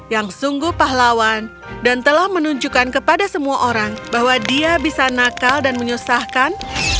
yang sungguh pahlawan dan telah menunjukkan kepada semua orang bahwa dia bisa nakal dan menyusahkan